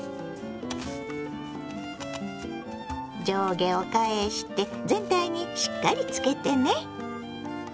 上下を返して全体にしっかりつけてね。